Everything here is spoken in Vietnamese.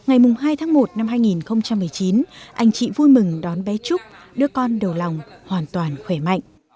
để mùng hai tháng một năm hai nghìn một mươi chín anh chị vui mừng đón bé trúc đứa con đầu lòng hoàn toàn khỏe mạnh